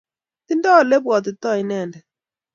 Tindo elepwatito indendet